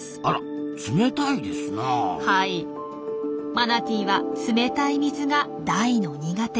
マナティーは冷たい水が大の苦手。